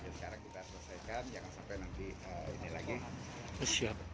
sekarang kita selesaikan jangan sampai nanti ini lagi